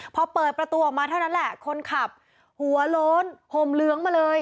พอเปิดประตูออกมาเท่านั้นแหละคนขับหัวโล้นห่มเหลืองมาเลย